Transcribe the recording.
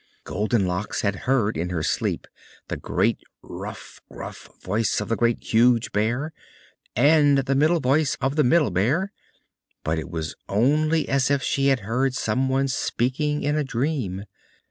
Goldenlocks had heard in her sleep the great, rough, gruff voice of the Great, Huge Bear, and the middle voice of the Middle Bear, but it was only as if she had heard someone speaking in a dream.